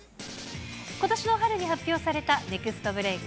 ことしの春に発表されたネクストブレイク